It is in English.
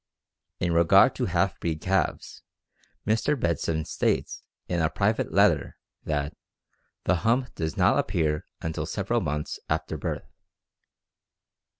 In regard to half breed calves, Mr. Bedson states in a private letter that "the hump does not appear until several months after birth."